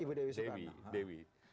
ibu dewi soekarno